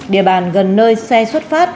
địa bàn gần nơi xe xuất phát